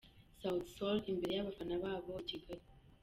Sauti Sol imberer y'abafana babo i Kigali.